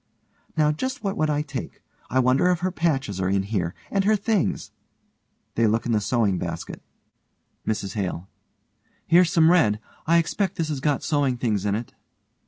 Now, just what would I take? I wonder if her patches are in here and her things. (They look in the sewing basket.) MRS HALE: Here's some red. I expect this has got sewing things in it.